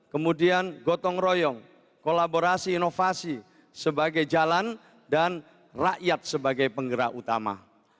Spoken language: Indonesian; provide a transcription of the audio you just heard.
kemudian gotong royong kolaborasi inovasi sebagai jalan dan rakyat sebagai penggerak utama